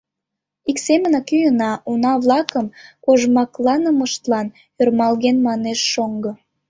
— Ик семынак йӱынна, — уна-влакын кожмакланымыштлан ӧрмалген манеш шоҥго.